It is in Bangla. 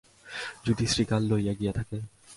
যদি শৃগালে লইয়া গিয়া থাকে?